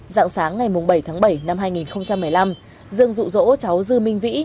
dạng sáng ngày bảy tháng bảy năm hai nghìn một mươi năm dương rụ rỗ cháu dư minh vĩ